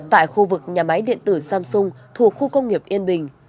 tại khu vực nhà máy điện tử samsung thuộc khu công nghiệp yên bình